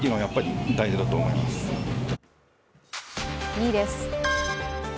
２位です。